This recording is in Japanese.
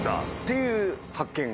いう発見が。